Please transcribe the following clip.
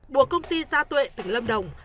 buộc công ty gia tuệ tỉnh lâm đồng